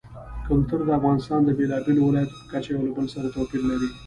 کلتور د افغانستان د بېلابېلو ولایاتو په کچه یو له بل سره توپیر لري.